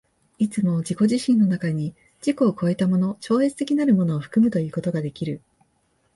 いつも自己自身の中に自己を越えたもの、超越的なるものを含むということができる。